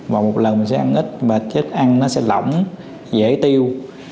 và một lần mình sẽ ăn ít và chết ăn nó sẽ lỏng dễ tiêu